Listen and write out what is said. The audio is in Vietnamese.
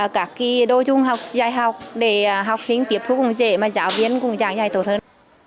các đô trung học giải học để học sinh tiếp thúc cũng dễ mà giáo viên cũng giảng dạy tốt hơn